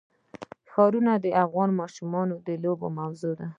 ښارونه د افغان ماشومانو د لوبو موضوع ده.